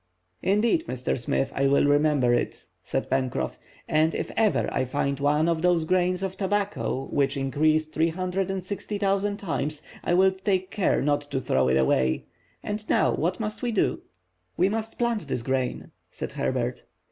"Indeed, Mr. Smith, I will remember it," said Pencroff, "and if ever I find one of those grains of tobacco which increase 360,000 times, I'll take care not to throw it away. And now what must we do?" "We must plant this grain," said Herbert.